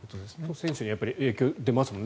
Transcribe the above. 選手に影響が出ますよね。